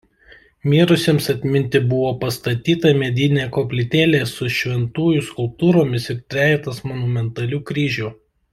Mirusiems atminti buvo pastatyta medinė koplytėlė su šventųjų skulptūromis ir trejetas monumentalių kryžių.